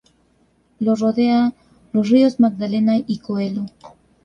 Lo rodea los ríos Magdalena y Coello.